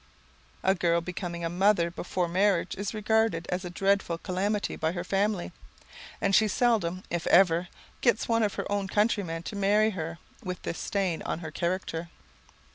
A girl becoming a mother before marriage is regarded as a dreadful calamity by her family, and she seldom, if ever, gets one of her own countrymen to marry her with this stain on her character.